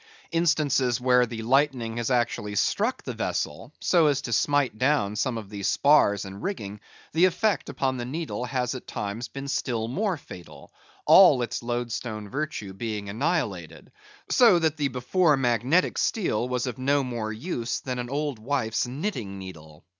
Instances where the lightning has actually struck the vessel, so as to smite down some of the spars and rigging, the effect upon the needle has at times been still more fatal; all its loadstone virtue being annihilated, so that the before magnetic steel was of no more use than an old wife's knitting needle.